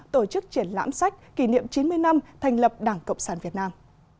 tổ chức triển lãm sách kỷ niệm chín mươi năm thành lập đảng cộng sản việt nam